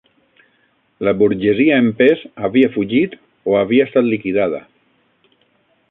La burgesia en pes havia fugit, o havia estat liquidada